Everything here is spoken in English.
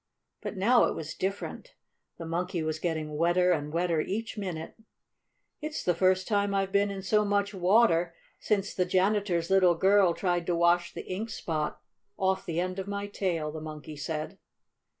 But now it was different. The Monkey was getting wetter and wetter each minute. "It's the first time I've been in so much water since the janitor's little girl tried to wash the ink spot off the end of my tail," the Monkey said.